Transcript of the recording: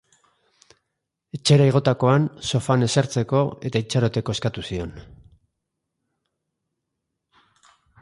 Etxera igotakoan, sofan esertzeko eta itxaroteko eskatu zion.